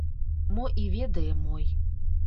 Мо і ведае мой.